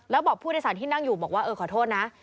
แล้วบอกผู้โดยสารที่นั่งอยู่บอกว่าเออขอโทษนะ